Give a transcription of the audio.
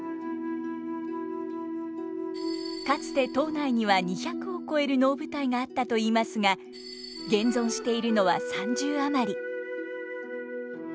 かつて島内には２００を超える能舞台があったといいますが現存しているのは３０余り。